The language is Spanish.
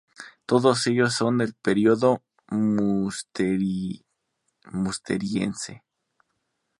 Todos ellos son del periodo Musteriense.